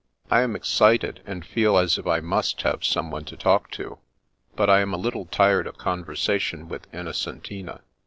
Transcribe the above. I am ex cited, and feel as if I must have someone to talk to, but I am a little tired of conversation with Innocentina.